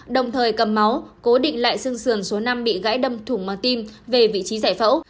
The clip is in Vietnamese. đồng thời cầm máu cố định lại xương sườn số năm bị gãy đâm thủng ma tim về vị trí giải phẫu